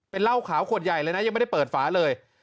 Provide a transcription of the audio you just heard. เป็นเหล้าขาวขวดใหญ่เลยนะยังไม่ได้เปิดฝาเลย